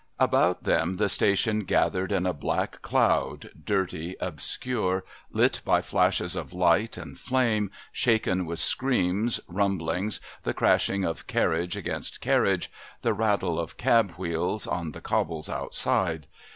About them the station gathered in a black cloud, dirty, obscure, lit by flashes of light and flame, shaken with screams, rumblings, the crashing of carriage against carriage, the rattle of cab wheels on the cobbles outside.